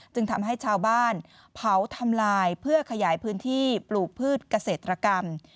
จึงทำให้ชาวบ้านเผาทำลายเพื่อขยายพื้นที่ปลูกพืชเกษตรกรรม